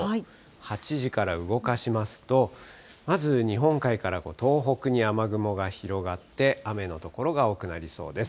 ８時から動かしますと、まず日本海から東北に雨雲が広がって、雨の所が多くなりそうです。